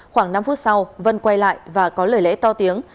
khoảng năm phút sau vân quay lại và có lời lẽ to tiếng